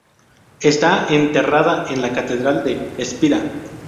Está enterrada en la Catedral de Spira.